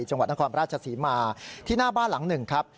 จังหวัดนครราชศรีมาที่หน้าบ้านหลังหนึ่งครับ